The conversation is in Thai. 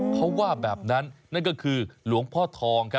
เขาว่าแบบนั้นนั่นก็คือหลวงพ่อทอง